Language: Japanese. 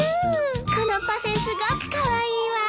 このパフェすごくカワイイわ。